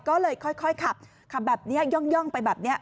ก็เลยค่อยขับขับแบบนี้ย่องไปแบบนี้